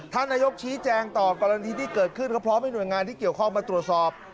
ท่านนายกชี้แจงต่อกรณีที่เกิดขึ้นก็พร้อมให้หน่วยงานที่เกี่ยวข้องมาตรวจสอบ